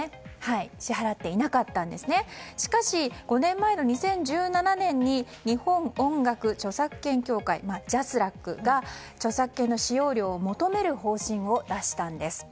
しかし、５年前の２０１７年に日本音楽著作権協会・ＪＡＳＲＡＣが著作権の使用料を求める方針を出したんです。